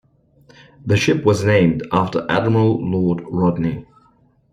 The ship was named after Admiral Lord Rodney.